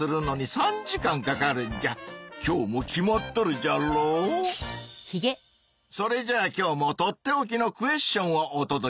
それじゃあ今日もとっておきの「クエッション」をおとどけしよう！